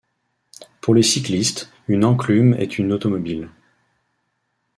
Pour les cyclistes, une enclume est une automobile.